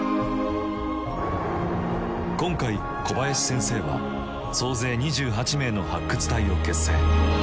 今回小林先生は総勢２８名の発掘隊を結成。